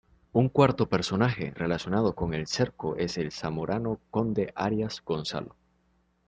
Un cuarto personaje relacionado con el Cerco es el zamorano Conde Arias Gonzalo.